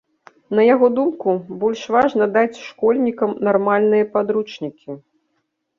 На яго думку, больш важна даць школьнікам нармальныя падручнікі.